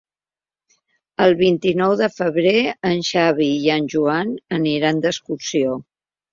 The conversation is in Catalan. El vint-i-nou de febrer en Xavi i en Joan aniran d'excursió.